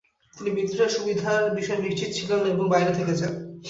তিনি বিদ্রোহের সুবিধার বিষয়ে নিশ্চিত ছিলেন না এবং বাইরে থেকে যান।